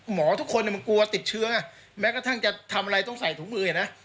หมอทุกคนเนี้ยมันกลัวติดเชื้อแม้กระทั่งจะทำอะไรต้องใส่ถุงมือเนี้ยน่ะ